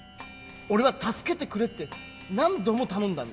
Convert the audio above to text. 俺は助けてくれって何度も頼んだんだ。